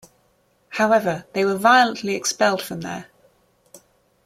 However, they were violently expelled from there.